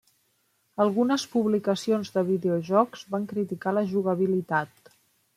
Algunes publicacions de videojocs van criticar la jugabilitat.